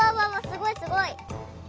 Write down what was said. すごいすごい！